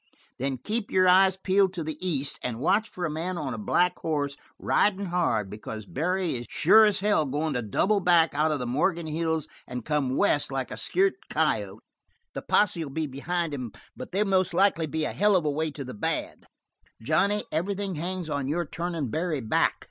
Then keep your eyes peeled to the east, and watch for a man on a black hoss ridin' hard, because Barry is sure as hell goin' to double back out of the Morgan Hills and come west like a scairt coyote. The posse will be behind him, but they most like be a hell of a ways to the bad. Johnny, everything hangs on your turnin' Barry back.